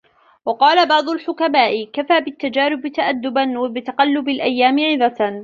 وَقَالَ بَعْضُ الْحُكَمَاءِ كَفَى بِالتَّجَارِبِ تَأَدُّبًا وَبِتَقَلُّبِ الْأَيَّامِ عِظَةً